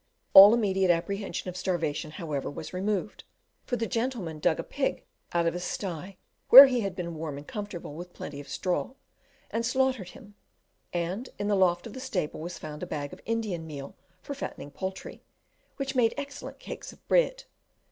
All immediate apprehension of starvation, however, was removed, for the gentlemen dug a pig out of his stye, where he had been warm and comfortable with plenty of straw, and slaughtered him; and in the loft of the stable was found a bag of Indian meal for fattening poultry, which made excellent cakes of bread.